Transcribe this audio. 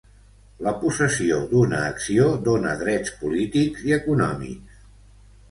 La possessió d'una acció dóna drets polítics i econòmics.